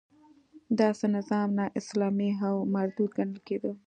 داسې نظام نا اسلامي او مردود ګڼل کېده.